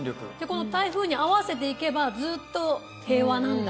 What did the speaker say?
この台風に合わせて行けばずっと平和なんだ。